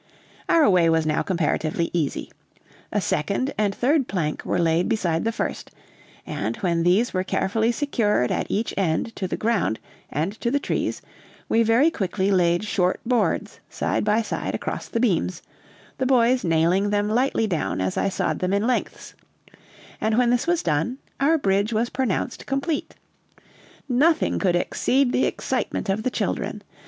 Our way was now comparatively easy. A second and third plank were laid beside the first; and when these were carefully secured at each end to the ground and to the trees, we very quickly laid short boards side by side across the beams, the boys nailing them lightly down as I sawed them in lengths; and when this was done, our bridge was pronounced complete. Nothing could exceed the excitement of the children.